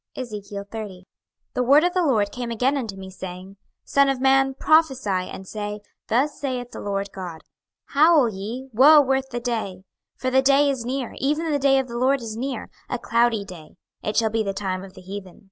26:030:001 The word of the LORD came again unto me, saying, 26:030:002 Son of man, prophesy and say, Thus saith the Lord GOD; Howl ye, Woe worth the day! 26:030:003 For the day is near, even the day of the LORD is near, a cloudy day; it shall be the time of the heathen.